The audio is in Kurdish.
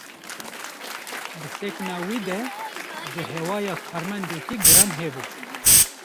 Di sekna wî de jî hewaya karmendekî giran hebû.